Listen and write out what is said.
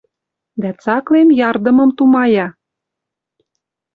Дӓ цаклем, ярдымым тумая.